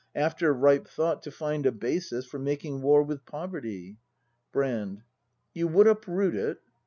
After ripe thought, to find a basis For making war with poverty Brand. You would uproot it